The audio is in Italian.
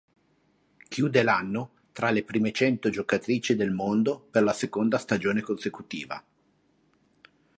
Chiude l'anno tra le prime cento giocatrici del mondo per la seconda stagione consecutiva.